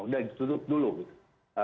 udah ditutup dulu gitu